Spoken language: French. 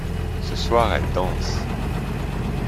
Ce soir elle danse.